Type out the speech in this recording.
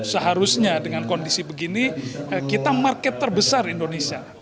seharusnya dengan kondisi begini kita market terbesar indonesia